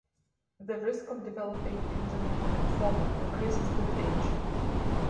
The risk of developing indolent lymphoma increases with age.